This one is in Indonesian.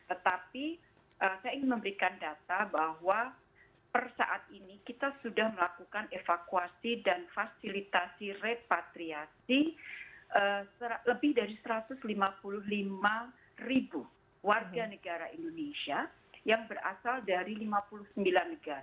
tetapi saya ingin memberikan data bahwa per saat ini kita sudah melakukan evakuasi dan fasilitasi repatriasi lebih dari satu ratus lima puluh lima ribu warga negara indonesia yang berasal dari lima puluh sembilan negara